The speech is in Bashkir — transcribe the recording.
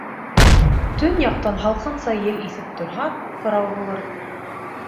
Төньяҡтан һалҡынса ел иҫеп торһа, ҡырау булыр.